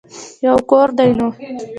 يو کور دی نو.